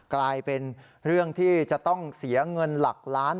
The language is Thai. กลายเป็นเรื่องที่จะต้องเสียเงินหลักล้าน